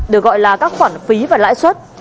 được gọi là các khoản phí và lãi suất